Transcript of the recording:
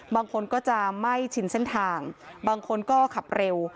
บางคนก็จะไม่ชินเส้นทางบางคนก็ขับเร็ว